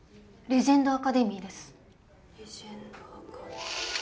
レジェンドアカデミー